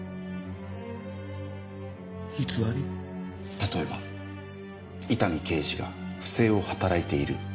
例えば伊丹刑事が不正を働いているとか。